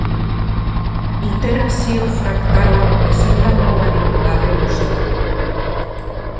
Iterazio fraktala ezin da mugarik gabe luzatu.